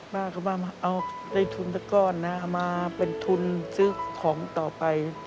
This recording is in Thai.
ป้าก็ว่ามาเอาได้ทุนสักก้อนนะมาเป็นทุนซื้อของต่อไป